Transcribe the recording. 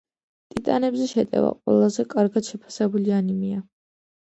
ტიტანებზე შეტევა ყველაზე კარგად შეფასებული ანიმეა.